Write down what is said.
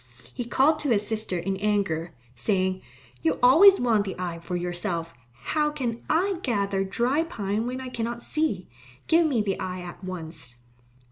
He called to his sister in anger, saying, "You always want the eye for yourself. How can I gather dry pine when I cannot see? Give me the eye at once."